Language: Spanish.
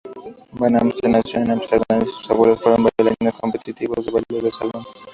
Van Amstel nació en Ámsterdam; sus abuelos fueron bailarines competitivos del bailes de salón.